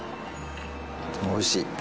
おいしい。